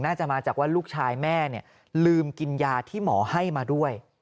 น่าจะมาจากว่าลูกชายแม่ลืมกินยาที่หมอให้มาด้วย